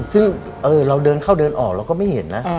ซึ่งเราเดินเข้าเดินออกเราก็ไม่เห็นนะ